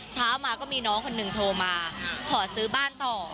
เช้ามาก็มีน้องคนหนึ่งโทรมาขอซื้อบ้านต่อ